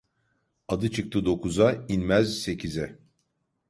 Adı çıktı dokuza, inmez sekize.